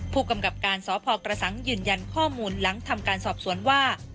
ผู้กำกับการสพกระสังยืนยันข้อมูลหลังทำการสอบสวนว่า